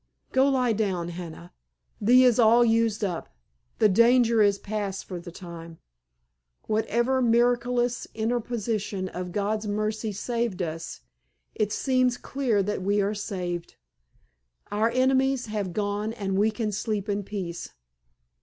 "Go lie down, Hannah, thee is all used up. The danger is past for the time. What ever miraculous interposition of God's mercy saved us it seems clear that we are saved. Our enemies have gone and we can sleep in peace.